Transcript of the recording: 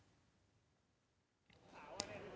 วันนี้ต้องจับตาหลายเรื่องครับ